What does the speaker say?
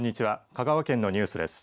香川県のニュースです。